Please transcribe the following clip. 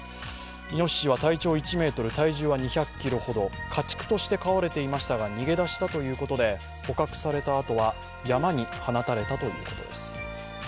いのししは体長１ｍ体重は２００ｋｇほど家畜として飼われていましたが、逃げ出したということで、捕獲されたあとは山に放たれたということです。